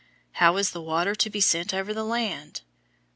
How is the water to be sent over the land?